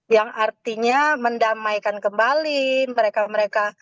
yang artinya mendamaikan kembali mereka mereka